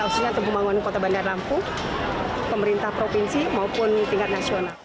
khususnya untuk pembangunan kota bandar lampung pemerintah provinsi maupun tingkat nasional